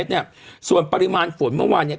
ส่วนส่วนปริมาณฝนเมื่อวาน